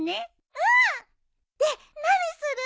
うん！で何する？